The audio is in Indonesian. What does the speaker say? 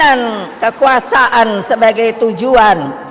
dan kekuasaan sebagai tujuan